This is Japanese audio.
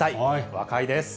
若いです。